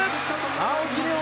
青木玲緒